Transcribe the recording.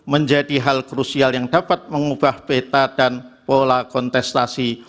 menjadi hal krusial yang dapat mengubah peta dan pola kontestasi